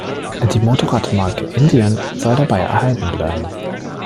Die Motorradmarke "Indian" soll dabei erhalten bleiben.